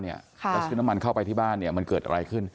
แล้วซื้อน้ำมันเข้าไปที่บ้านมันเกิดอะไรขึ้น